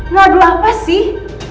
ngadu apa sih